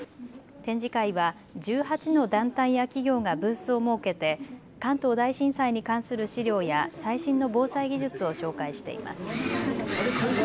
展示会は１８の団体や企業がブースを設けて、関東大震災に関する資料や最新の防災技術を紹介しています。